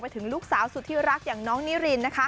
ถึงลูกสาวสุดที่รักอย่างน้องนิริน